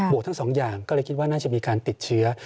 ทั้งสองอย่างก็เลยคิดว่าน่าจะมีการติดเชื้อ